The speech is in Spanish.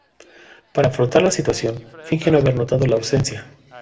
Para afrontar la situación, finge no haber notado la ausencia.